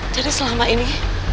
jadi selama ini